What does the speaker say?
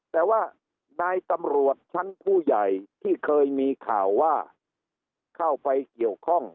แต่ว่านายตำรวจชั้นผู้ใหญ่ที่เคยมีข่าวว่าเข้าไปเกี่ยวข้อง